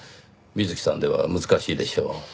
水木さんでは難しいでしょう。